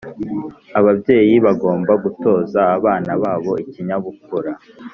Ababyeyi bagomba gutoza abana babo ikinyabupfura